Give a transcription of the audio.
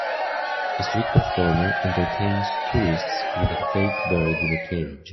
A street performer entertains tourists with a fake bird in a cage.